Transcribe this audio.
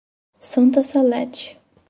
Santa Salete